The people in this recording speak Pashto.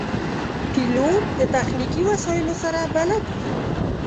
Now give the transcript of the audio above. پیلوټ د تخنیکي وسایلو سره بلد وي.